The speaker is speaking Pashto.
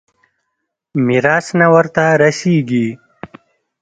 ميراث نه ورته رسېږي.